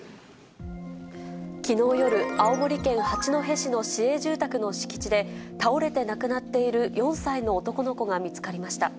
きのう夜、青森県八戸市の市営住宅の敷地で、倒れて亡くなっている４歳の男の子が見つかりました。